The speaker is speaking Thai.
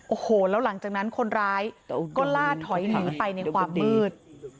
โอ้โหแล้วหลังจากนั้นคนร้ายก็ล่าถอยหนีไปในความมืด